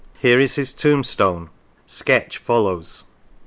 Here is his tombstone [sketch follows]."